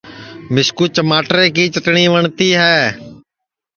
مِسکُو چماٹرے کی چٹٹؔی وٹؔتی ہے